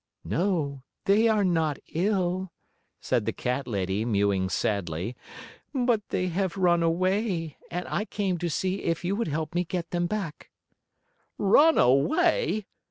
"No, they are not ill," said the cat lady, mewing sadly, "but they have run away, and I came to see if you would help me get them back." "Run away!